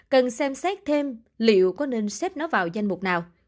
cần xem xét thêm liệu có nên xếp nó vào danh mục nào